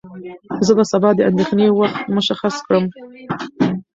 زه به سبا د اندېښنې وخت مشخص کړم.